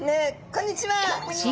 こんにちは！